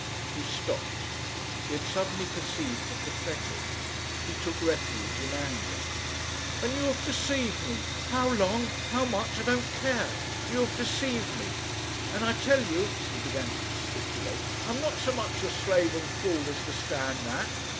He stopped. He had suddenly perceived the pathetic. He took refuge in anger. "And you have deceived me! How long, how much, I don't care. You have deceived me. And I tell you" he began to gesticulate "I'm not so much your slave and fool as to stand that!